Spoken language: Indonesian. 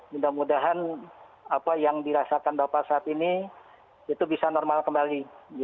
mudah mudahan apa yang dirasakan bapak saat ini itu bisa normal kembali